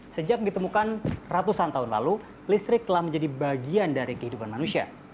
sejak ditemukan ratusan tahun lalu listrik telah menjadi bagian dari kehidupan manusia